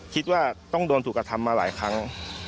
คิดว่าต้องโดนถูกกระทำมาหลายครั้ง